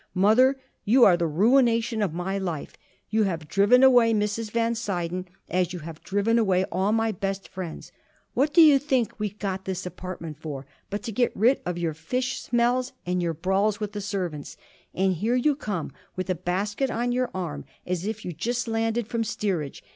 "Mother, you are the ruination of my life! You have driven away Mrs. Van Suyden, as you have driven away all my best friends. What do you think we got this apartment for but to get rid of your fish smells and your brawls with the servants? And here you come with a basket on your arm as if you just landed from steerage!